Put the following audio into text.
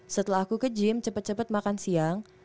setelah aku ke gym cepet cepet makan siang